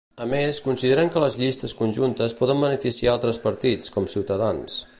A més, consideren que les llistes conjuntes poden beneficiar altres partits, com Ciutadans.